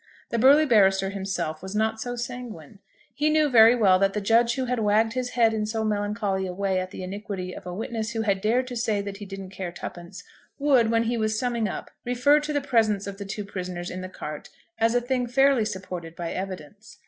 The burly barrister himself was not so sanguine. He knew very well that the judge who had wagged his head in so melancholy a way at the iniquity of a witness who had dared to say that he didn't care twopence, would, when he was summing up, refer to the presence of the two prisoners in the cart as a thing fairly supported by evidence.